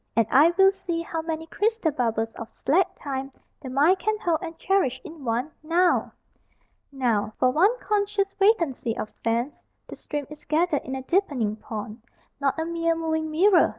And I will see How many crystal bubbles of slack Time The mind can hold and cherish in one Now! Now, for one conscious vacancy of sense, The stream is gathered in a deepening pond, Not a mere moving mirror.